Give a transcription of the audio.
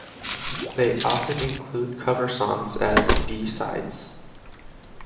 They often include cover songs as B-sides.